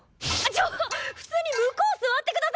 ちょっ普通に向こう座ってくださいよ！